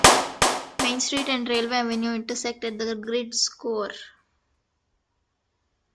Main Street and Railway Avenue intersect at the grid's core.